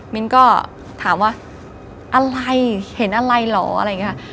มิ้นก็ถามว่าอะไรเห็นอะไรเหรออะไรอย่างนี้